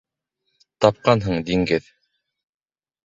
— Тапҡанһың диңгеҙ.